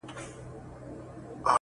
شاعرانو به کټ مټ را نقلوله-